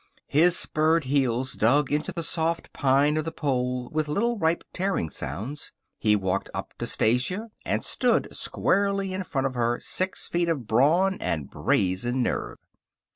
His spurred heels dug into the soft pine of the pole with little ripe, tearing sounds. He walked up to Stasia and stood squarely in front of her, six feet of brawn and brazen nerve.